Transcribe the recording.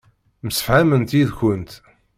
Msefhament yid-kent.